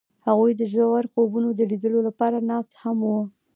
هغوی د ژور خوبونو د لیدلو لپاره ناست هم وو.